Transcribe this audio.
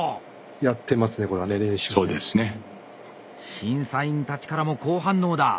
審査員たちからも好反応だ。